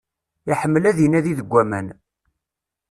Iḥemmel ad inadi deg aman.